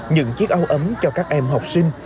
những chiếc áo ấm cho các em học sinh